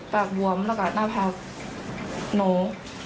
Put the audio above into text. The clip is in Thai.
ปากบวมแล้วกับหน้าภาพโน้น